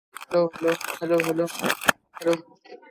Istria was the first region in Croatia to get its own encyclopedia.